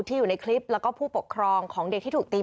อยู่ในคลิปแล้วก็ผู้ปกครองของเด็กที่ถูกตี